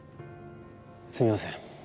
すいません。